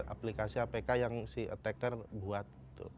aplikasi apk yang si attacker buat